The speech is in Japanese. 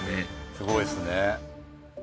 すごいですね。